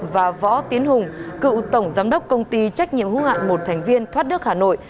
và võ tiến hùng cựu tổng giám đốc công ty trách nhiệm hữu hạn một thành viên thoát nước hà nội